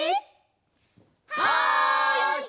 はい！